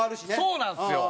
そうなんですよ。